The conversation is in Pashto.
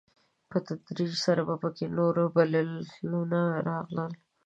په تدريج سره په کې نور بدلونونه راغلل.